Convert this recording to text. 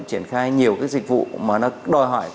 triển khai nhiều dịch vụ mà nó đòi hỏi